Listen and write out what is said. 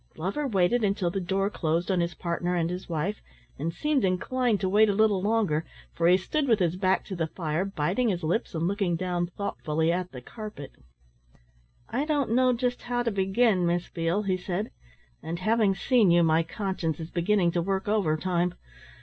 Glover waited until the door closed on his partner and his wife and seemed inclined to wait a little longer, for he stood with his back to the fire, biting his lips and looking down thoughtfully at the carpet. "I don't just know how to begin, Miss Beale," he said. "And having seen you, my conscience is beginning to work overtime.